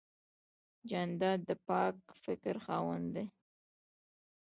جانداد د پاک فکر خاوند دی.